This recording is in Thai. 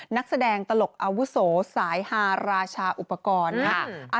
นักแสดงตลกอาวุโสสายฮาราชาอุปกรณ์ค่ะ